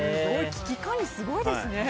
危機管理、すごいですね。